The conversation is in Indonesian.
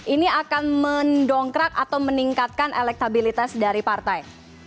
ini akan mendongkrak atau meningkatkan elektabilitas dari partai